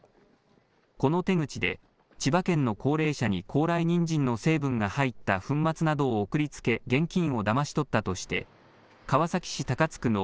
この手口で千葉県の高齢者に高麗にんじんの成分が入った粉末などを送りつけ現金をだまし取ったとして川崎市高津区の